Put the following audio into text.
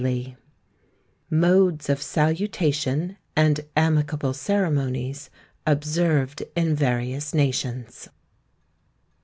_ MODES OF SALUTATION, AND AMICABLE CEREMONIES, OBSERVED IN VARIOUS NATIONS.